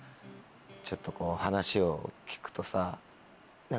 ちょっと話を聞くとさ。